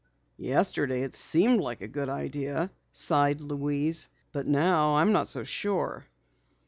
"Yesterday it seemed like a good idea," sighed Louise. "But now, I'm not so sure."